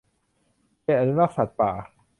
เขตอนุรักษ์สัตว์ป่า